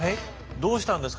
どうしたんですか。